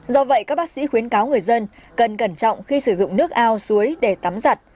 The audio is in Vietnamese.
do vậy các bác sĩ khuyến cáo người dân cần cẩn trọng khi sử dụng nước ao suối để tắm giặt